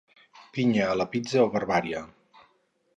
Pinya a la pizza o barbàrie.